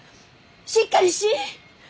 しっかりしい！